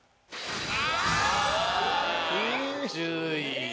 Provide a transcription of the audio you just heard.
あ１０位。